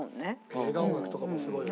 映画音楽とかもすごいよね。